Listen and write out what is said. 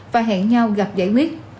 và hẹn nhau gặp giải miết